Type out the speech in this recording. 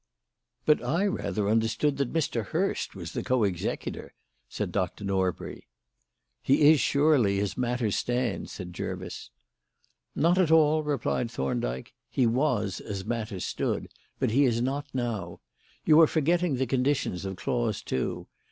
"But I rather understood that Mr. Hurst was the co executor," said Dr. Norbury. "He is surely, as matters stand," said Jervis. "Not at all," replied Thorndyke. "He was as matters stood; but he is not now. You are forgetting the conditions of clause two.